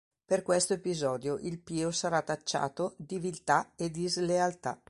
Per questo episodio il Pio sarà tacciato di viltà e di slealtà.